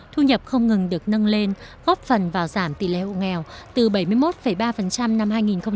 thu nhập không ngừng được nâng lên góp phần vào giảm tỷ lệ hộ nghèo từ bảy mươi một ba năm hai nghìn một mươi